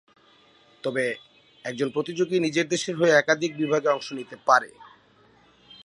তবে, একজন প্রতিযোগী নিজের দেশের হয়ে একাধিক বিভাগে অংশ নিতে পারে।